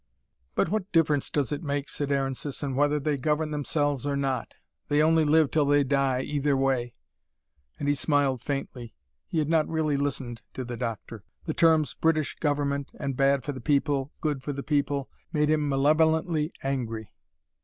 "But what difference does it make," said Aaron Sisson, "whether they govern themselves or not? They only live till they die, either way." And he smiled faintly. He had not really listened to the doctor. The terms "British Government," and "bad for the people good for the people," made him malevolently angry.